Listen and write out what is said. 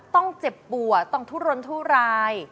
ต้องเจ็บปวดต้องทุรนทุราย